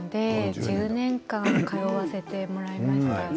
１０年間通わせてもらいました。